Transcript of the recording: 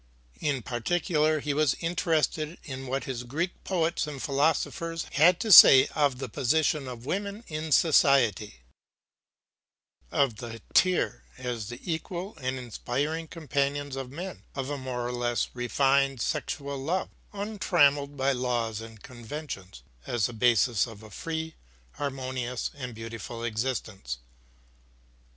In particular he was interested in what his Greek poets and philosophers had to say of the position of women in society; of the hetairai as the equal and inspiring companions of men; of a more or less refined sexual love, untrammeled by law and convention, as the basis of a free, harmonious and beautiful existence.